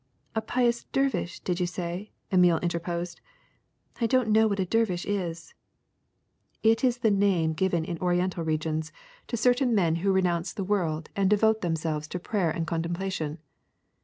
"A pious dervish, did you say?" Emile interposed. "I don't know what a dervish is." "It is the name given in Oriental religions to cer 176 THE SECRET OF EVERYDAY THINGS tain men who renounce the world and devote them selves to prayer and contemplation.'